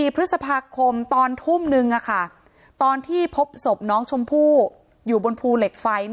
พฤษภาคมตอนทุ่มนึงตอนที่พบศพน้องชมพู่อยู่บนภูเหล็กไฟ